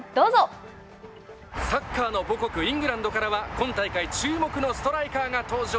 サッカーの母国、イングランドからは、今大会注目のストライカーが登場。